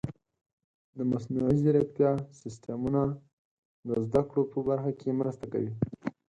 د مصنوعي ځیرکتیا سیستمونه د زده کړو په برخه کې مرسته کوي.